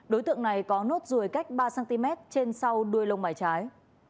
đối tượng này có nốt ruồi cách ba cm trên sau đuôi lông mái trái